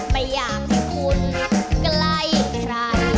ไม่อยากให้คุณใกล้ใคร